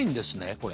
これ。